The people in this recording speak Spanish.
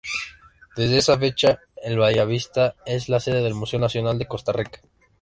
Desde esa fecha, el Bellavista es la sede del Museo Nacional de Costa Rica.